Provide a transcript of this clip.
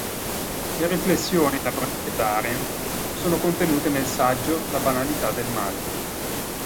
Le riflessioni elaborate da Arendt sono contenute nel saggio "La banalità del male".